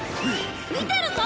見てるぞ！